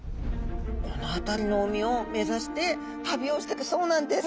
この辺りの海を目指して旅をしていくそうなんです。